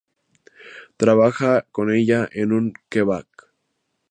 Trabaja con ella en un kebab.